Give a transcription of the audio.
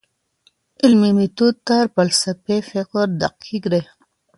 علمي ميتود تر فلسفي فکر دقيق دی.